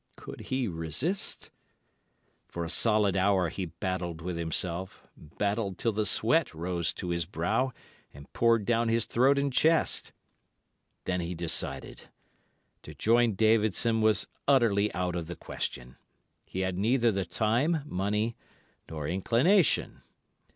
Could he resist? For a solid hour he battled with himself, battled till the sweat rose to his brow and poured down his throat and chest. Then he decided. To join Davidson was utterly out of the question. He had neither the time, money, nor inclination.